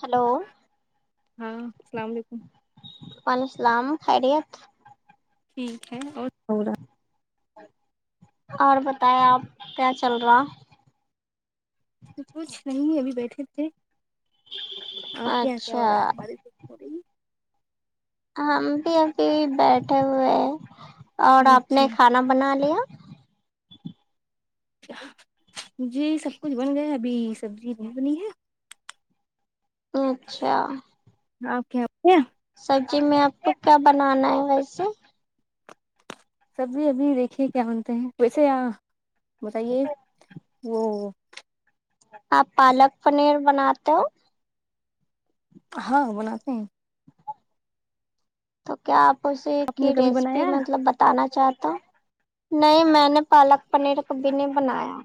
hello ہاں السلام علیکم وعلیکم السلام خیریت ٹھیک ہے اور تھوڑا اور بتائے آپ کیا چل رہا کچھ نہیں ابھی بیٹھے تھے آپ کے یہاں کیا اچھا ہو رہا ہے ب [unintelligible] ہم بھی ابھی بیٹھے ہوئے ہیں اور ہے آپ نے اچھا کھانا بنا لیا جی سب کچھ بن گیا ابھی سبزی نہیں بنی ہے اچھا اپ کے اپ نے سبزی میں آپ کو کیا بنانا ہے ویسے سبزی ابھی دیکھے کیا بنتے ہیں ویسےآ بتائیے وہ آپ پالک پنیر بناتے ہو ہاں بناتے ہیں تو کیا آپ اسی آپ کی نے کبھی ریسیپی بنایا مطلب بتانا چاہتے ہو نہیں میں نے پالک پنیر کبھی نہیں بنایا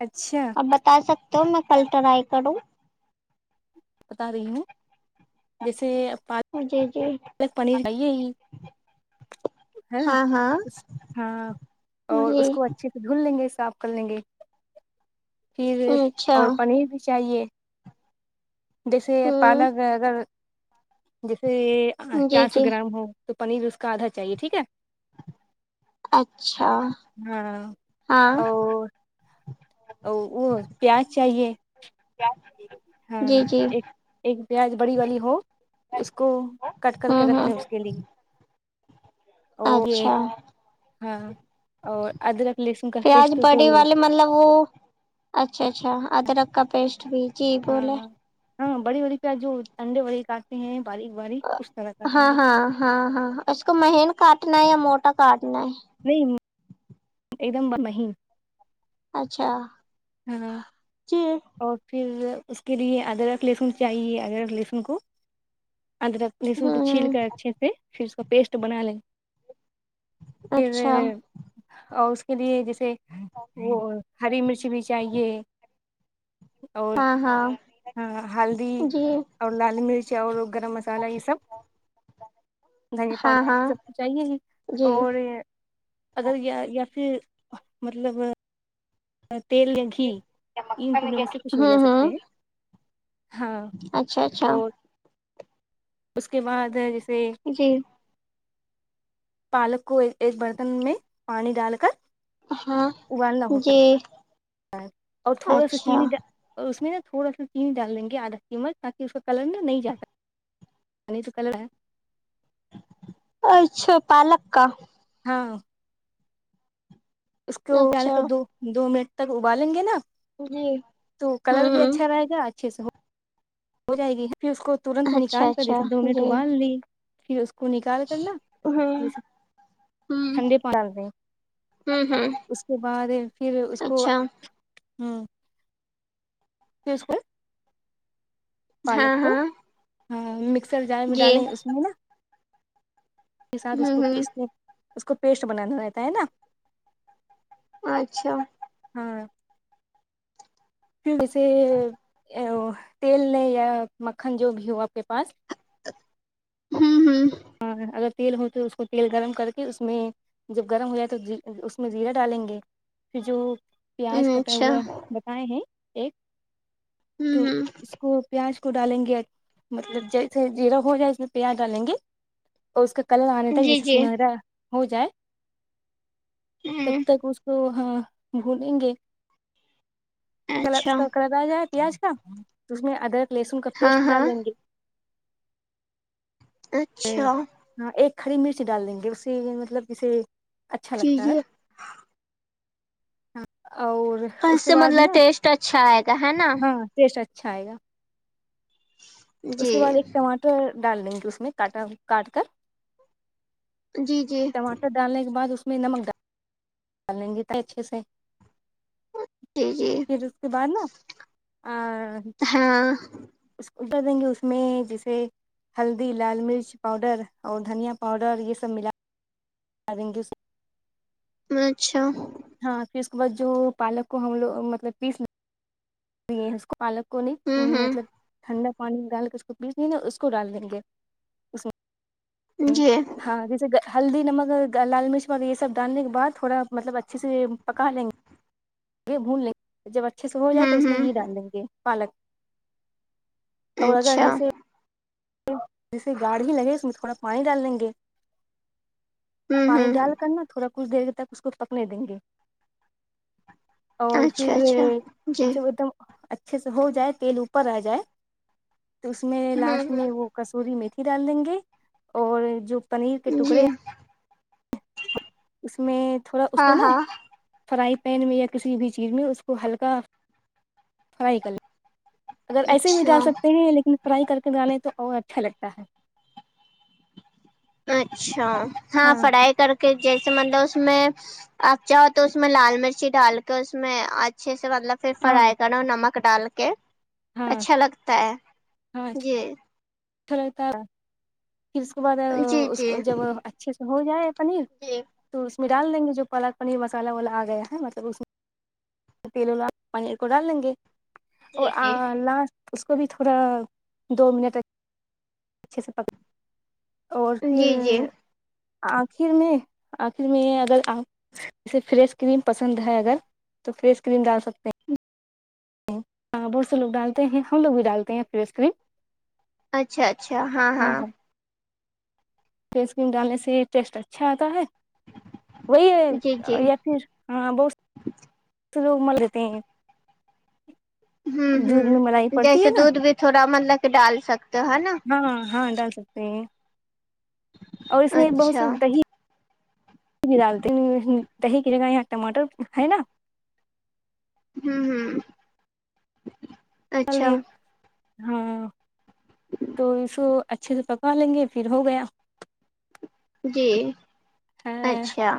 اچھا بتا سکتے ہو میں کل ٹرائی کروں بتا رہی ہوں جیسے پا جی جی ایک پنیر لایے ہاں اس ہاں اور جی اس کو اچھی دھو لیں گے صاف کر لیں گے پھر اچھا اور پنیر بھی چاہیے جیسے ہ پالک اگر جیسے جی چار سو جی گرام ہو تو پنیر اس کا آدھا چاہیے ٹھیک ہے اچھا ہاں ہاں اور وہ پیاز چاہیے پیاز ہاں ایک ایک پیاز بڑی والی ہو اس کو کٹ کر کے ہوں رکھ ہوں لیں اس کے لیے اور یہ اچھا ہاں اور ادرک لہسن کا پیاز پیسٹ تو بڑی والی مطلب وہ اچھا اچھا ادرک کا پیسٹ بھی جی ہاں بولے ہاں بڑی والی پیاز جو انڈے والی کاٹتے ہیں باریک باریک اس طرح ہاں کاٹیں گے ہاں ہاں ہاں اس کو مہین کاٹنا یا موٹا کاٹنا ہے نہیں ایک دم مہین اچھا ہاں جی اور پھر اس کے لیے ادرک لہسن چاہیے ادرک لہسن کو ادرک لہسن کو ہوں چھیل ہوں کر اچھے سے پھر اس کا پیسٹ بنا لیں اچھا پھر اور اس کے لیے جیسے وہ ہری مرچی بھی چاہیے اور ہاں ہاں ہاں ہلدی جی اور لال مرچ اور گرم مسالہ یہ سب دھنیا ہاں پاؤڈر ہاں سب تو چاہیے ہی جی اور اگر یا یا پھر مطلب تیل یا گھی ان تینوں میں سے کچھ بھی لے ہوں ہوں سکتے ہیں ہاں اچھا اچھا اور اس کے بعد ہےجیسے جی پالک کو ایک برتن میں پانی ڈال کر ہاں ابالنا ہوتا ہے جی اور تھوڑا سا اچھا چینی ڈال اور اس میں نا تھوڑا ساچینی ڈال دیں گے آدھا چمچ تاکہ اس کا کلر نا نہیں جاتا نہیں تو کلر ہے اچھا پالک کا ہاں اس کو ابال اچھا کر دو دو منٹ تک ابالیں گے نا جی تو کلر ہوں بھی ہوں اچھا رہے گا اچھے سے ہو ہو جائے گی پھر اس کو ترنت اچھا نکال کر اچھا اسے دو مٹ جی ابال لی پھر اس کو نکال کرنا ہوں جیسے ہوں ٹھنڈے پان ڈال دیں ہوں ہوں اس کے بعد پھر اس کو اچھا ہ پھر اس کو پالک ہاں کو ہاں ہاں مکسر جار میں جی ڈالے اس میں نا کے ساتھ اس ہوں کو ہوں پیسنے اس کو پیسٹ بنانا رہتا ہے نا اچھا ہاں پھر جے تیل ل یا مکھن جو بھی ہو آپ کے پاس ہوں ہوں ہاں اگر تیل ہو تو اس کو تیل گرم کر کے اس میں جب گرم ہو جائے تو اس میں زیرہ ڈالیں گے جو پیاز کٹا اچھا ہوا بتائے ہیں ایک ہوں تو ہوں اس کو پیاز کو ڈالیں گے مطلب جیسے جیرا ہو جائے اس میں پیاز ڈالیں گے اور اس کا کلر آنے تک جی جیسے جی سنہرا ہو جائے تب ہوں تک اس کو ہاں بھونیگے کالر اچھا کا کالر آ جائے پیاز کا اس میں ادرک لہسن کا ہاں پیسٹ ہاں ڈالیں گے اچھا ہاں ایک ہری مرچی ڈالینگے اس سے مطلب اسے اچھا جی لگتا ہے جی ہاں اور اس کے سے بعد مطلب نا ٹیشٹ اچھا آئے گا ہے نا ہاں ٹیسٹ اچھا آئیگا اس جی کے بعد ایک ٹماٹر ڈال لینگے اس میں کاٹا کاٹ کر جی جی ٹماٹر ڈالنے کے بعد اس میں نمک ڈال پل یں گے تو اچھے سے جی جی پھر اس کے بعد نا آ ہاں اسکو ٹر دیں گے اس میں جیسے ہلدی لال مرچ پاؤڈر اور دھنیا پاؤڈر یہ سب ملا دالنگے اس میں اچھا ہاں پھر اس کے بعد جو پالک کو ہم لوگ مطلب پیسے دیے اس کو پالک کو نہیں ہوں ہوں مطلب ٹھنڈا پانی ڈال کے اس کو پیس لینگے اس کو ڈال دیں گے اس میں جی ہاں جیسے ہلدی نمک لال مرچ یہ سب ڈالنے کے بعد تھوڑا مطلب اچھے سے پکا لینگے بھون لیں گے جب اچھے سے ہون جائے تو ہوں اس میں ہوں یہ ڈال دیں گے پالک اواز انے سے اچھا جیسے جیسے گاڑ ہی لگے اس میں تھوڑا پانی ڈال لیں گے ہوں پانی ہوں ڈال کر نہ تھوڑا کچھ دیر تک اس کو پکنے دیں گے اور پھر اچھا اچھا جی جب ایکدم اچھے سے ہو جائے تیل اوپر آ جائے تو اس میں ہوں لاسٹ میں ہوں وہ کسوری میتھی ڈال دیں گے اور جو پنیر کے ٹکڑے جی اس میں تھوڑا اس ہاں کو نا ہاں فرائی پین میں یا کسی بھی چیز میں اس کو ہلکا فرائی کر لے اگر ایسے بھی ڈال اچھا سکتے ہیں لیکن فرائی کر کے ڈالیں تو اور اچھا لگتا ہے اچھا ہاں فرائی کر کے جیسے مطلب اس میں آپ چاہو تو اس میں لال مرچی ڈال کے اس میں اچھے سے مطلب پھر ہاں فرائی کرو نمک ڈال کے ہاں اچھا لگتا ہے ہاں جی اچھا رہتا ہے پھر اس کے بعد جی اس جی جب اچھے سے ہو جائے پنیر جی تو اس میں ڈال دیں گے جو پالک پنیر مسالہ والا آ گیا ہے مطلب اس میں تیلوں [unintelligible] پنیر کو ڈال لیں گے اور جی لاسٹ اس کو بھی تھوڑا دو منٹ اچھے سے پک اور جی پھر جی آخر میں آخر میں اگر آپ جیسے فریش کریم پسند ہے اگر تو فریش کریم ڈال سکتے ہیں ہاں بہت سے لوگ ڈالتے ہیں ہم لوگ بھی ڈالتے ہیں فریش کریم اچھا اچھا ہاں ہاں فریش کریم ڈالنے سے ٹیسٹ اچھا آتا ہے وہی جی جی ہے یا پھر ہاں بہت تو لوگ مر دیتے ہیں [inaudible] ہوں دودھ میں ملائی ہمم پڑتی جیسے ہے نا دودھ بھی تھوڑا مطلب کہ ڈال سکتے ہے نا ہاں ہاں ڈال سکتے اور اس میں بہت اچھا سی دہی بھی ڈالتے دہی کی جگہ یہ ٹماٹر ہے نا ہوں ہوں اچھا [unintelligible] ہاں تو اس کو اچھے سے پکا لیں گے پھر ہو گیا جی اچھا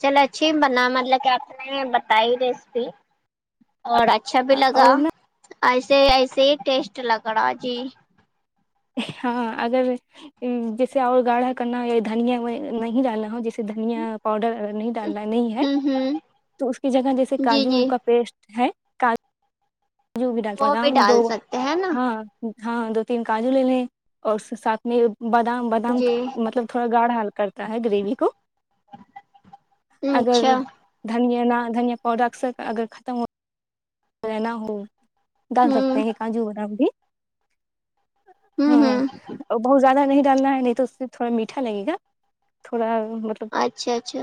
چل اچ ھی بنا مطلب کہ آپ نے بتائی ریسیپی اور اچھا بھی لگا اور نا ایسے ایسے ہی ٹیسٹ لگ رہا جی ہاں اگر جیسے اور گاڑھا کرنا ہو یا دھنیا نہیں ڈالنا ہو جیسے دھنیا پاؤڈر نہیں ڈالنا نہیں ہے ہوں ہوں تو اس کی جگہ جیسے جی کاجو جی کا پیسٹ ہے جو بھی ڈال [unintelligible] پ وہ ہم دو ڈال سکتے ہیں نا ہاں ہاں دو تین کاجو لے لیں اور ساتھ میں بادام بادام جی مطلب تھوڑا گاڑھا حل کرتا ہے گریوی کو اگر اچھا دھنیا نہ دھنیا پاؤڈر اثر اگر ختم ہو رہنا ہو ڈال سکتے ہوں ہیں کاجو بادام بھی ہوں ہاں ہوں بہت زیادہ نہیں ڈالنا ہے نہیں تو اس سے تھوڑا میٹھا لگے گا تھوڑا مطلب اچھا اچھا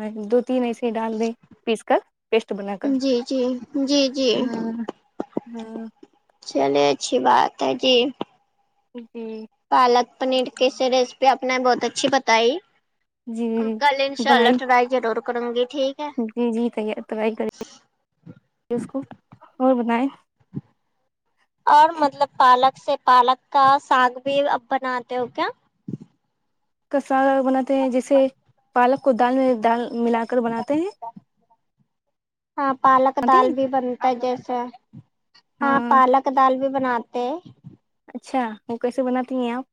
ہ دو تین ایسے ڈال دیں پیس کر پیسٹ بنا کر جی جی جی جی ہاں ہاں چلے اچھی بات ہے جی جی پالک پنیر کیسی ریسیپی آپ نے بہت اچھی بتائی جی کل ان شاء اللہ بنائی ٹرائی ضرور کروں گی ٹھیک ہے جی جی تی ٹرائی کرے اس کو اور بنائیں اور مطلب پالک سے پالک کا ساگ بھی اب بناتے ہو کیا ایسا بناتے ہیں جیسے پالک کو دال میں دال ملا کر بناتے ہیں ہاں پالک بناتی دال ہیں بھی بنتا ہے جیسا ہاں پالک کا دال بھی بناتے اچھا وہ کیسے بناتی ہیں آپ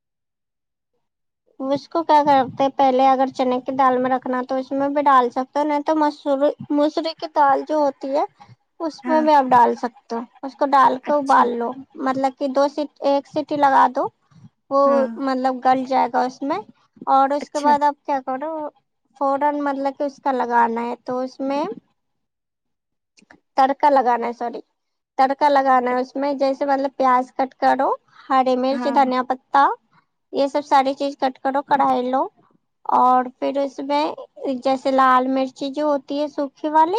اس کو کیا کرتے ہیں پہلے اگر چنے کی دال میں رکھنا تو اس میں بھی ڈال سکتے تو نہیں تو مسوری مسوری کی دال جو ہوتی ہے اس میں ہاں بھی آپ ڈال سکتے ہو اس کو ڈال کر اچھا ابال لو مطلب کہ دو سی ایک سیٹی لگا دو وہ ہاں مطلب گل جائے گا اس میں اور اس کے اچھا بعد آپ کیا کرو فورن مطلب کہ اس کا لگانا ہے تو اس میں تڑکا لگانا ہے سوری تڑکا لگانا ہے اچھا اس میں جیسے مطلب پیاز کٹ کرو ہری مرچ ہاں دھنیا پتہ یہ سب ساری چیز کٹ کرو کڑھائی لو اور پھر اس میں جیسے لال مرچی جو ہوتی ہے سوکھی والی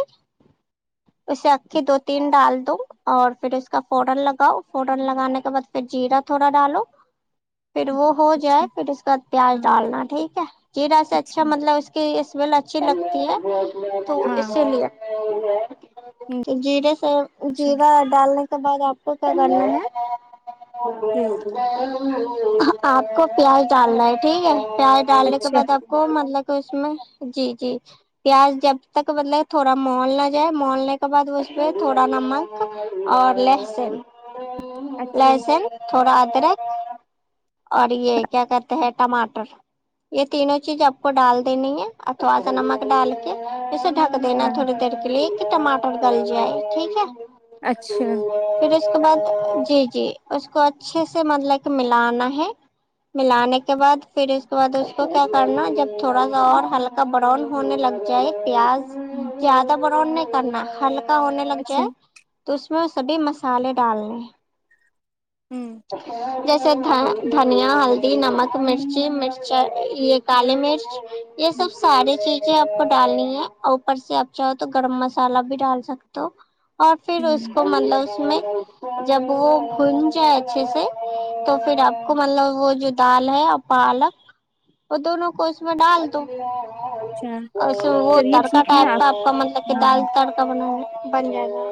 اسے اکھی دو تین ڈال دو اور پھر اس کا فورن لگاؤ فوران لگانے کے بعد پھر جیرا تھوڑا ڈالو پھر وہ ہو اچھا جائے پھر اس کے بعد پیاز ہاں ڈالنا ٹھیک ہے جیرا سے اچھا مطلب اس کہ یہ سمل اچھی لگتی ہے تو ہاں اسی لیے ہوں تو جیرے سے اچھا جیرا ڈالنے کے بعد آپ کو کیا کرنا ہے یہ آپ کو پیاز ڈالنا ہے ٹھیک ہے پیاز ڈالنے کے اچھا بعد آپ کو مطلب کہ اس میں جی جی پیاز جب تک بدلے تھوڑا مول نہ جائے مالنے کے بعد اس پہ تھوڑا نمک اور لہسن اچھا لہسن تھوڑا ادرک اور یہ کیا کہتے ہیں ٹماٹر یہ تینوں چیز آپ کو ڈال دینی ہے اور تھوڑا سا نمک ڈال کے ڈھک دینا ہاں تھوڑی دیر کے لیے کہ ٹاٹر گل جائے ٹھیک ہے اچھا پھر اس کے بعد جی جی اس کو اچھے سے مطلب کہ ملانا ہے ملانے کے بعد پھر اس کے بعد اس کو کیا کرنا جب تھوڑا سا اور ہلکا براؤن ہونے لگ جائے پیاز ہوں زیادہ برون نہیں کرنا ہلکا ہونے لگ اچھا جائے تو اس میں وہ سبھی مسالحے ڈالنے ہیں امم جیسے دھا دھنیا ہل نمک مرچی مرچا یہ کالی مرچ یہ ہوں سب ساری چیز آپ کو ڈالنی ہے اور اوپر سے آپ چاہو تو گرم مسالہ بھی ڈال سکتے ہو اور پھر اس کو مطلب اس میں جب وہ بھن جائے اچھے سے تو پھر آپ کو مطلب وہ جو دال ہے اور پالک وہ دونوں کو اس میں ڈال اچھا اور اس وہ چلیے تڑکا ٹھیک ہے ٹائپ کا آپ کا مطلب کہ ہاں دال کا تڑکا بنانا ہے بنگیا وہ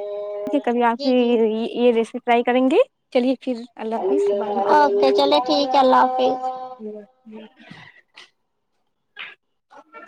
ٹھیک ہے کبھی آپ ہی یہ ری ریسیپی ٹرائی کریں گے چلیے پھر اللہ حافظ بعد میں کرتے اوکے ہیں چلیے ٹھیک ہے اللہ حافظ [inaudible] [inaudible]